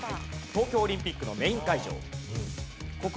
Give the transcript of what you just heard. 東京オリンピックのメイン会場。